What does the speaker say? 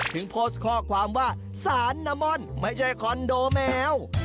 โพสต์ข้อความว่าสารนามอนไม่ใช่คอนโดแมว